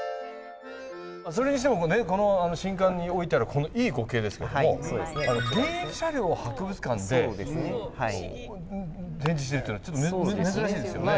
それにしてもこの新館に置いてあるこのＥ５系ですけども現役車両を博物館で展示しているっていうのはちょっと珍しいですよね。